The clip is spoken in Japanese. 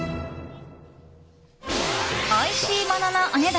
おいしいもののお値段